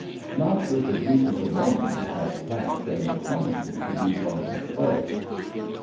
Not with the "greasers" alone had tact and diplomacy to be brought into play.